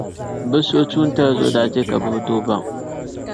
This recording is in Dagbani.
bɛ suhutuntali zuɣu daa chɛ ka bɛ bi tooi baŋ.